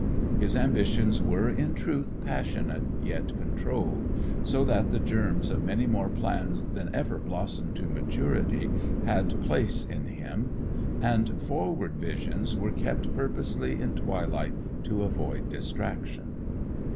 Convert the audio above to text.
His ambitions were, in truth, passionate, yet controlled; so that the germs of many more plans than ever blossomed to maturity had place in him; and forward visions were kept purposely in twilight, to avoid distraction.